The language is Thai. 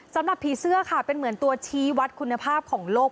สำหรับผีเสื้อค่ะเป็นเหมือนตัวชี้วัดคุณภาพของโลก